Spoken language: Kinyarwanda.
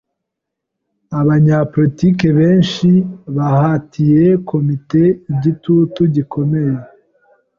Abanyapolitike benshi bahatiye komite igitutu gikomeye.